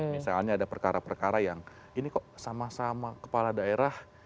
misalnya ada perkara perkara yang ini kok sama sama kepala daerah